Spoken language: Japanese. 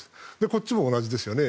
こっちも同じですよね。